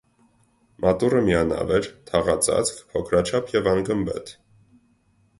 Մատուռը միանավ էր, թաղածածկ, փոքրաչափ և անգմբեթ։